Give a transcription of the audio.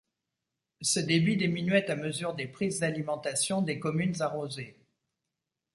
Ce débit diminuait à mesure des prises d'alimentation des communes arrosées.